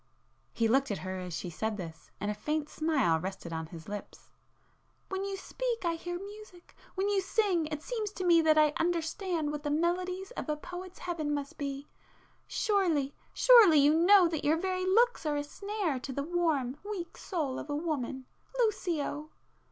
he looked at her as she said this, and a faint smile rested on his lips—"When you speak, I hear music—when you sing, it seems to me that I understand what the melodies of a poet's heaven must be;—surely, surely you know that your very looks are a snare to the warm weak soul of a woman! Lucio!